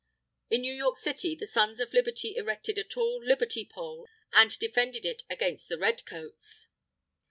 In New York City, the Sons of Liberty erected a tall Liberty Pole, and defended it against the Red Coats.